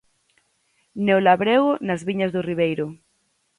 Neolabrego nas viñas do Ribeiro.